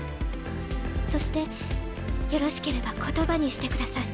そしてよろしければ言葉にしてください。